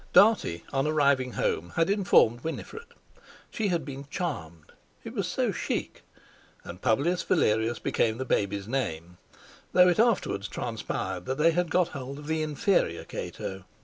Dartie, on arriving home, had informed Winifred. She had been charmed. It was so "chic." And Publius Valerius became the baby's name, though it afterwards transpired that they had got hold of the inferior Cato.